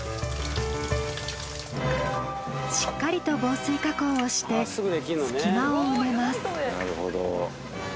しっかりと防水加工をして隙間を埋めます。